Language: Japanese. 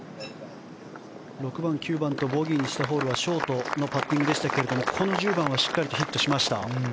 ６番、９番とボギーにしたホールはショートのパッティングでしたがこの１０番はしっかりヒットしました。